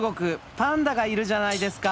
パンダがいるじゃないですか！